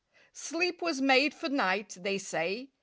Sleep was made for night, they say.